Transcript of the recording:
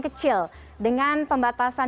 kecil dengan pembatasan